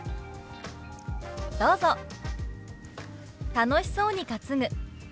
「楽しそうに担ぐ」。